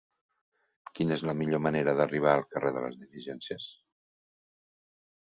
Quina és la millor manera d'arribar al carrer de les Diligències?